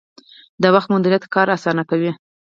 د وخت مدیریت کار اسانه کوي